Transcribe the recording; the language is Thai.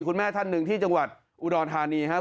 คุณแม่ท่านหนึ่งที่จังหวัดอุดรธานีครับ